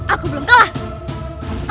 aku belum tahu